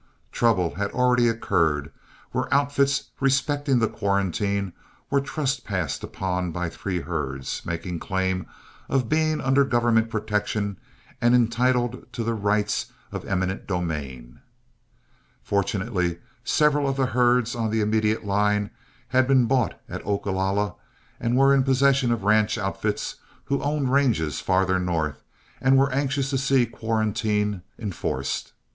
Trouble had already occurred, where outfits respecting the quarantine were trespassed upon by three herds, making claim of being under government protection and entitled to the rights of eminent domain. Fortunately several of the herds on the immediate line had been bought at Ogalalla and were in possession of ranch outfits who owned ranges farther north, and were anxious to see quarantine enforced.